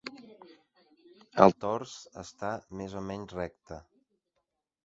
El tors està més o menys recte.